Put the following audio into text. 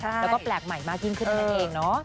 แล้วก็แปลกใหม่มากยิ่งขึ้นนั่นเองเนาะ